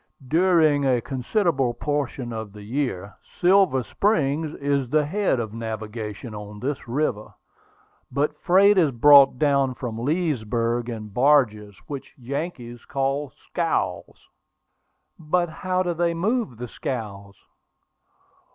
During a considerable portion of the year, Silver Springs is the head of navigation on this river; but freight is brought down from Leesburg in barges, which Yankees call scows." "But how do they move the scows?"